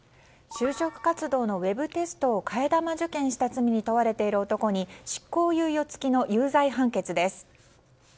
就職活動のウェブテストを替え玉受験した罪に問われている男に執行猶予付きの有罪判決です。